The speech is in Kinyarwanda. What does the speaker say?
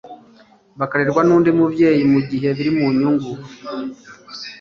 bakarerwa n undi mubyeyi mu gihe biri mu nyungu